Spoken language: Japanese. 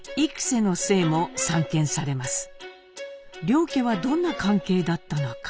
両家はどんな関係だったのか？